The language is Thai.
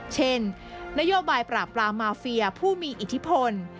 เช่นนโยบายปราบปรามมาเฟียผู้มีอิทธิพล